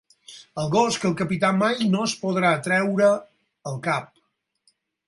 El gos que el capità mai no es podrà treure el cap.